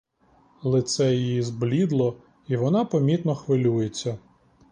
Лице її зблідло, і вона помітно хвилюється.